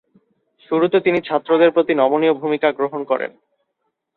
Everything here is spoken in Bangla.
শুরুতে তিনি ছাত্রদের প্রতি নমনীয় ভূমিকা গ্রহণ করেন।